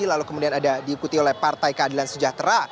lalu kemudian ada diikuti oleh partai keadilan sejahtera